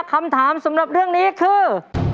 คำถามสำหรับเรื่องนี้คือ